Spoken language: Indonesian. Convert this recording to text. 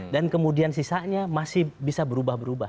dan kemudian sisanya masih bisa berubah berubah